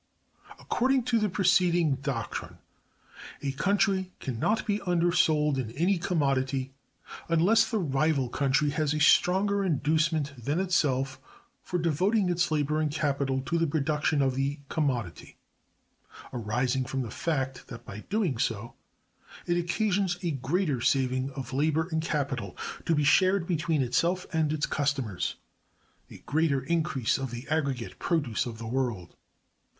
According to the preceding doctrine, a country can not be undersold in any commodity, unless the rival country has a stronger inducement than itself for devoting its labor and capital to the production of the commodity; arising from the fact that by doing so it occasions a greater saving of labor and capital, to be shared between itself and its customers—a greater increase of the aggregate produce of the world.